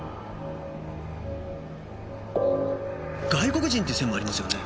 外国人って線もありますよね！